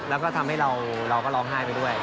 แล้วก็ทำให้เราก็ร้องไห้ไปด้วย